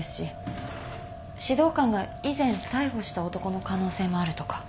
指導官が以前逮捕した男の可能性もあるとか。